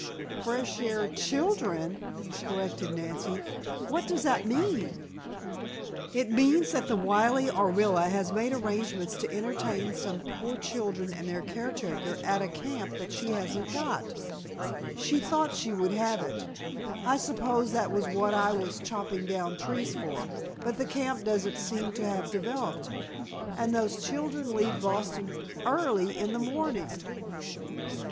"Fresh air children!" corrected Nancy. "What does that mean?" "It means that the wily Orilla has made arrangements to entertain some poor children and their caretaker at a camp that she hasn't got. She thought she would have it I suppose that was what I was chopping down trees for but the camp doesn't seem to have developed. And those children leave Boston early in the morning!"